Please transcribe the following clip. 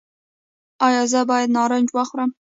ایا زه باید نارنج وخورم؟